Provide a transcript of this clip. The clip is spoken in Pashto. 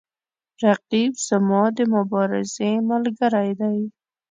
رقیب زما د مبارزې ملګری دی